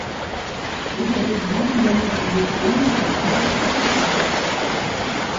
У гэты дзень яны традыцыйна купаюцца ў фантанах.